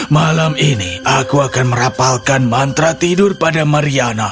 malam ini aku akan merapalkan mantra tidur pada mariana